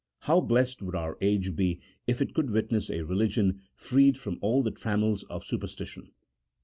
How blest would our age be if it could witness a religion freed also from all the tram mels of superstition